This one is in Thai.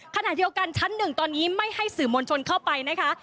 ขณะเดียวกันชั้นหนึ่งตอนนี้ไม่ให้สื่อมวลชนเข้าไปนะคะ